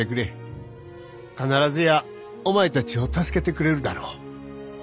必ずやお前たちを助けてくれるだろう」。